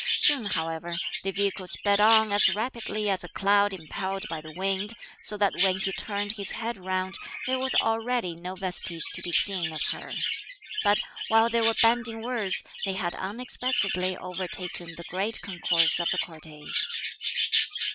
Soon however the vehicle sped on as rapidly as a cloud impelled by the wind, so that when he turned his head round, there was already no vestige to be seen of her; but, while they were bandying words, they had unexpectedly overtaken the great concourse of the cortege.